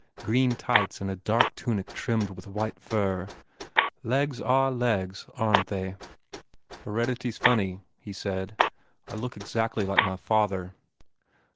Green tights and a dark tunic trimmed with white fur. Legs are legs, aren t they?" 193 THE FAIR REWARDS "Heredity s funny," he said, "I look exactly like my father."